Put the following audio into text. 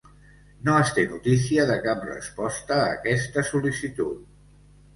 No es té notícia de cap resposta a aquesta sol·licitud.